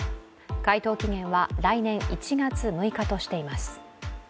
回答期限は来年１月６日としています。